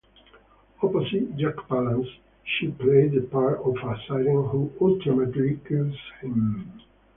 Opposite Jack Palance, she played the part of a siren who ultimately kills him.